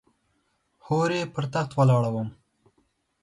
هورې پر تخت ولاړه وم .